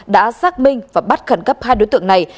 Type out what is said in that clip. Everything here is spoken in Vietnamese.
đã xác minh và bắt khẩn cấp hai đối tượng này